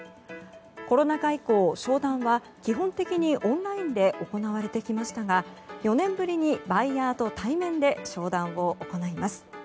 コロナ禍以降、商談は基本的にオンラインで行われてきましたが４年ぶりにバイヤーと対面で商談を行います。